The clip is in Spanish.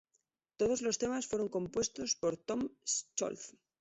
Todos los temas fueron compuestos por Tom Scholz.